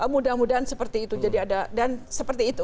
mudah mudahan seperti itu